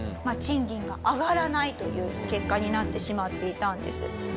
賃金が上がらないという結果になってしまっていたんです。